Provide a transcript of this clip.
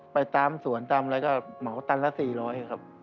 ไปตามสวนตามรายได้หมอตันละ๔๐๐บาทครับ